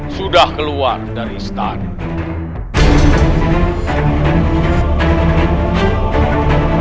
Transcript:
sudah keluar dari stasiun